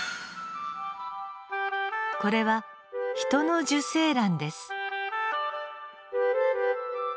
これはヒトの受精卵です。